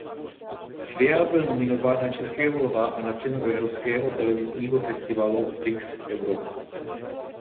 Seriál byl nominován na Českého lva a na cenu evropského televizního festivalu Prix Europa.